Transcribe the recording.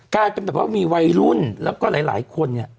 กลายเป็นแบบว่ามีวัยรุ่นแล้วก็หลายคนเนี่ย